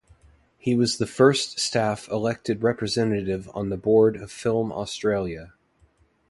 He was the first staff elected representative on the Board of Film Australia.